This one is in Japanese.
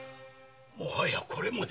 もはやこれまで。